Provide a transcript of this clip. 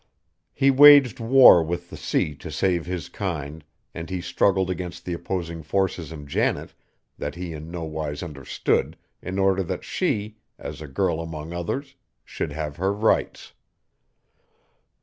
He waged war with the sea to save his kind; and he struggled against the opposing forces in Janet that he in no wise understood, in order that she, as a girl among others, should have her rights.